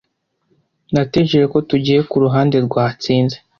Natekereje ko tugiye kuruhande rwatsinze.